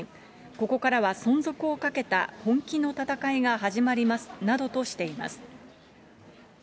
ここからは存続をかけた本気の戦いが始まりますなどとしています。